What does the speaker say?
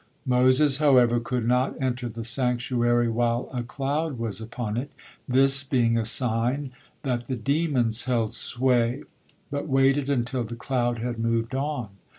Moses, however, could not enter the sanctuary while a cloud was upon it, this being a sign "that the demons held sway," but waited until the cloud had moved on.